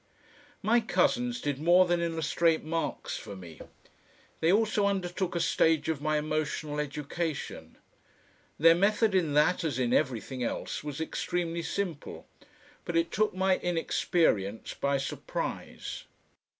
5 My cousins did more than illustrate Marx for me; they also undertook a stage of my emotional education. Their method in that as in everything else was extremely simple, but it took my inexperience by surprise.